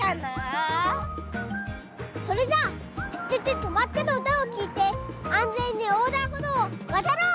それじゃあ「ててて！とまって！」のうたをきいてあんぜんにおうだんほどうをわたろう！